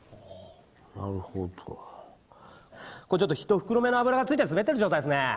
これちょっと１袋目の油が付いて滑ってる状態ですね。